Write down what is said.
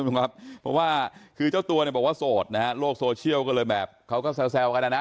เพราะว่าคือเจ้าตัวเนี่ยบอกว่าโสดนะฮะโลกโซเชียลก็เลยแบบเขาก็แซวกันนะนะ